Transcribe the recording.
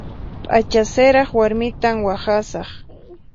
P'acha siraq warmitan waqhasaq.